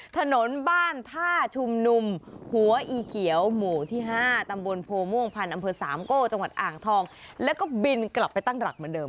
ถนนบ้านท่าชุมนุมหัวอีเขียวหมู่ที่๕ตำบลโพม่วงพันธ์อำเภอสามโก้จังหวัดอ่างทองแล้วก็บินกลับไปตั้งหลักเหมือนเดิม